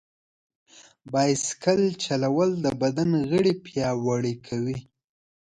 بایسکل چلول د بدن غړي پیاوړي کوي.